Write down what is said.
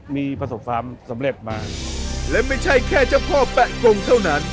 มีประสบความสำเร็จมาและไม่ใช่แค่เจ้าพ่อแปะกงเท่านั้น